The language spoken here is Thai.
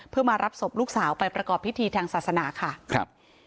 เพื่อมารับศพลูกสาวไปประกอบพิธีทางศาสนาค่ะครับ